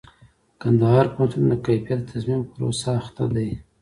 کندهار پوهنتون د کيفيت د تضمين په پروسه اخته دئ.